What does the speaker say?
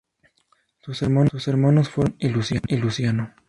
Sus hermanos fueron Gastón y Luciano.